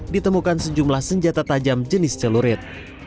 ditemukan sejumlah senjata tajam jenis celurit